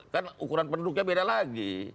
kan ukuran penduduknya beda lagi